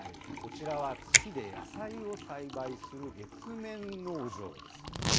こちらは月で野菜を栽培する月面農場です。